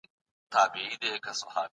د واک ناوړه ګټه اخيستنه سياست بدناموي.